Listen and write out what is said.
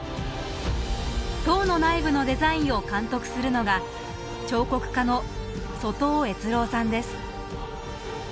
塔の内部のデザインを監督するのが彫刻家の外尾悦郎さんです。